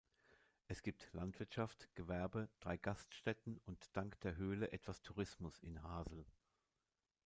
Es gibt Landwirtschaft, Gewerbe, drei Gaststätten und dank der Höhle etwas Tourismus in Hasel.